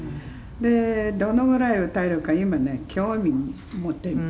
「でどのぐらい歌えるか今ね興味持ってる自分で」